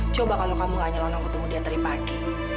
coba kalau kamu gak nyelonong ketemu dia tadi pagi